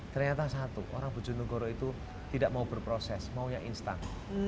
ternyata satu orang bojonegoro itu tidak mau berproses maunya instan